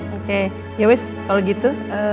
oke ya wis kalau gitu